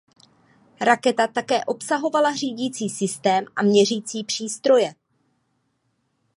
Raketa také obsahovala řídící systém a měřící přístroje.